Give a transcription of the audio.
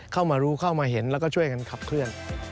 เข้ามารู้เข้ามาเห็นแล้วก็ช่วยกันขับเคลื่อน